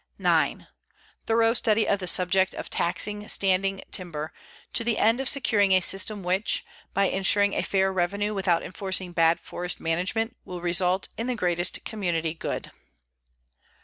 9. Thorough study of the subject of taxing standing timber, to the end of securing a system which, by insuring a fair revenue without enforcing bad forest management, will result in the greatest community good.